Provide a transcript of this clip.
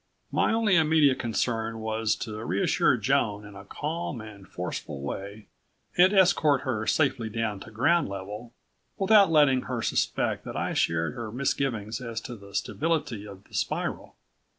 My only immediate concern was to reassure Joan in a calm and forceful way and escort her safely down to ground level, without letting her suspect that I shared her misgivings as to the stability of the spiral.